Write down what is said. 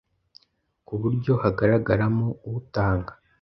ku buryo hagaragaramo utanga